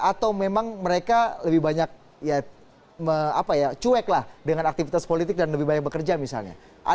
atau memang mereka lebih banyak ya cuek lah dengan aktivitas politik dan lebih banyak bekerja misalnya